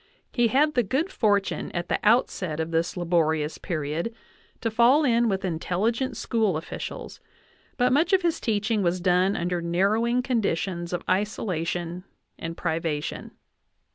He had the good fortune at the outset of this laborious period to fall in with intelligent school officials, but much of his teaching was done under narrowing conditions of isolation and privation.